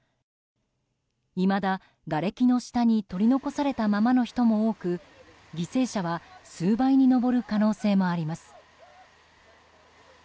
いまだ、がれきの下に取り残されたままの人も多く犠牲者は数倍に上る可能性もあります。